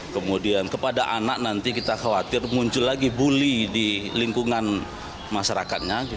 kemudian kepada anak nanti kita khawatir muncul lagi bully di lingkungan masyarakatnya